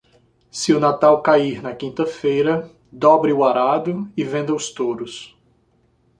Se o Natal cair na quinta-feira, dobre o arado e venda os touros.